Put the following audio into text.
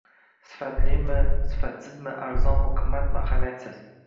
Sifatlimi, sifatsizmi, arzonmi, qimmatmi – ahamiyatsiz